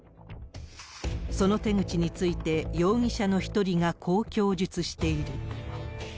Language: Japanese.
その手口について、容疑者の一人がこう供述している。